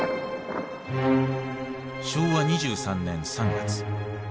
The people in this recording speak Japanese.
昭和２３年３月。